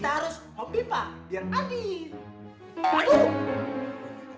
kita harus mimpi pak biar adil